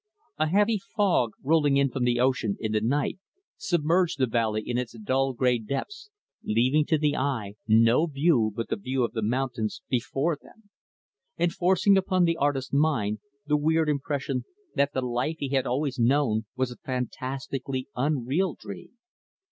A heavy fog, rolling in from the ocean in the night, submerged the valley in its dull, gray depths leaving to the eye no view but the view of the mountains before them, and forcing upon the artist's mind the weird impression that the life he had always known was a fantastically unreal dream.